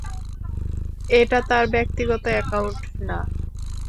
এটা তার ব্যক্তিগত একাউন্ট না।